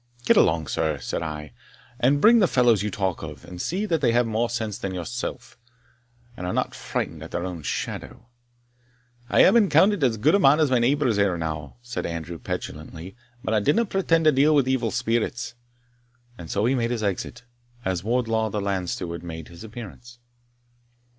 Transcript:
"Get along, sir," said I, "and bring the fellows you talk of; and see they have more sense than yourself, and are not frightened at their own shadow." "I hae been counted as gude a man as my neighbours ere now," said Andrew, petulantly; "but I dinna pretend to deal wi' evil spirits." And so he made his exit, as Wardlaw the land steward made his appearance.